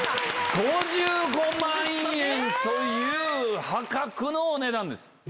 ５５万円という破格のお値段です。